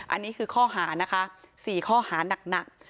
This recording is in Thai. อันนี้คือข้อหาร่วมนะคะ๔ข้อหาร่วมหนัก